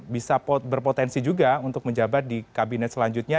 bisa berpotensi juga untuk menjabat di kabinet selanjutnya